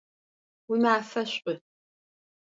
Уимафэ шӏу!